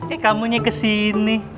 eh kamunya kesini